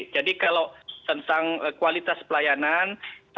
jadi kalau tentang kualitas pelayanan